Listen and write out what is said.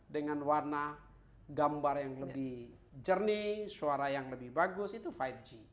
dengan warna gambar yang lebih jernih suara yang lebih bagus itu lima g